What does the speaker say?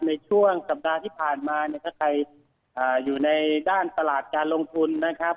ในช่วงสัปดาห์ที่ผ่านมาเนี่ยถ้าใครอยู่ในด้านตลาดการลงทุนนะครับ